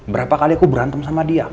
berapa kali aku berantem sama dia